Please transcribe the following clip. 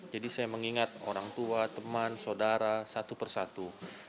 jadi saya mengingat orang tua teman saudara satu per satu